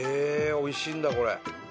おいしいんだこれ。